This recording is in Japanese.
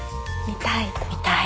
見たい。